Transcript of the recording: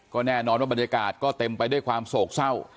ก็แน่นอนว่าบรรยากาศก็เต็มไปด้วยความโศกเศร้า